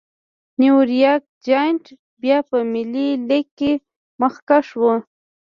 نیویارک جېانټ بیا په ملي لېګ کې مخکښ و.